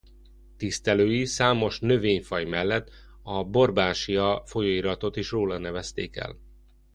Tisztelői számos növényfaj mellett a Borbásia folyóiratot is róla nevezték el.